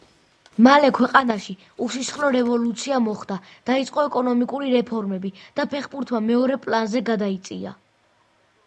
მალე ქვეყანაში უსისხლო რევოლუცია მოხდა, დაიწყო ეკონომიკური რეფორმები და ფეხბურთმა მეორე პლანზე გადაიწია.